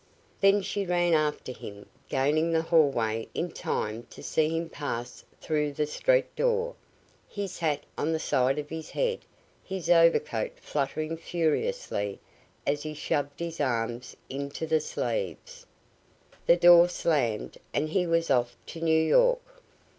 Then she ran after him, gaining the hallway in time to see him pass through the street door, his hat on the side of his head, his overcoat fluttering furiously as he shoved his arms into the sleeves. The door slammed, and he was off to New York.